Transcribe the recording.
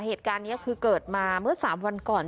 เหตุการณ์นี้คือเกิดมาเมื่อ๓วันก่อน